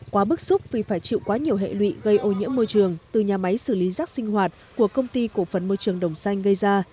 quá bức xúc vì phải chịu quá nhiều hệ lụy gây ô nhiễm môi trường từ nhà máy xử lý rác sinh hoạt của công ty cổ phần môi trường đồng xanh gây ra